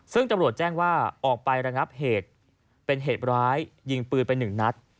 ซึ่งตำรวจแจ้งว่าออกไประงับเหตุเป็นเหตุร้ายยิงปืนไปหนึ่งนัด